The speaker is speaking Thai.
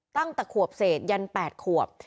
ตั้งแต่ขวบเศษยัน๘ขวบ